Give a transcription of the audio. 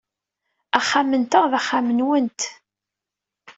Axxam-nteɣ d axxam-nwent.